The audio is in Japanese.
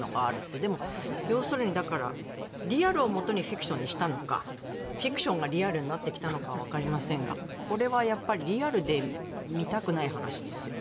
でも、要するにリアルをもとにフィクションにしたのかフィクションがリアルになってきたのかはわかりませんがこれはやっぱりリアルで見たくない話ですよね。